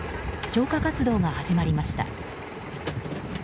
消火活動が始まりました。